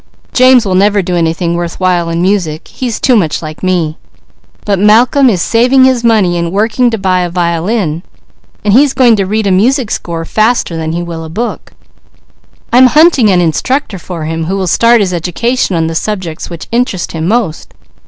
James will never do anything worth while in music, he's too much like me; but Malcolm is saving his money and working to buy a violin; he's going to read a music score faster than he will a book. I'm hunting an instructor for him who will start his education on the subjects which interest him most.